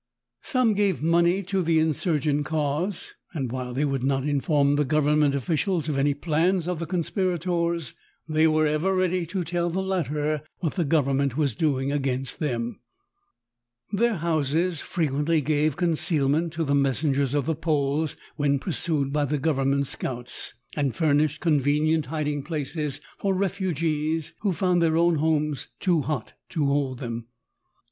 Some gave money to the insurgent eause, and while they would not inform the government offieials of any plans of the eonspirators, they were ever ready to tell the latter what the govern ment was doing against them. Their houses fre quently gave eoneealment to the messengers of the Poles when pursued by the government seouts, and furnished eonvenient hiding plaees for ref ugees, who found their own homes too hot to hold them.